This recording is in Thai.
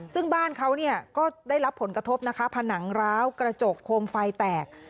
ซึ่งบ้านเขาก็ได้รับผลกระทบนะคะผนังร้าวกระจกโคมไฟแตก